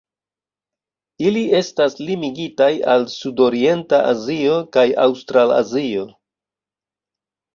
Ili estas limigitaj al sudorienta Azio kaj Aŭstralazio.